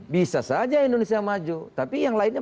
bisa saja indonesia maju tapi yang lainnya